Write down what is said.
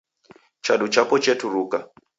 Chadu chapo cheturuka.